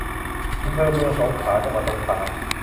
อำเภอเมืองสงขลา จังหวัดสงขลา